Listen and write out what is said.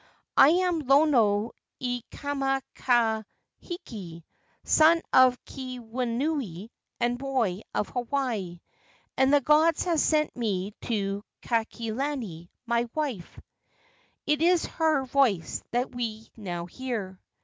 I am Lonoikamakahiki, son of Keawenui and moi of Hawaii, and the gods have sent to me Kaikilani, my wife. It is her voice that we now hear."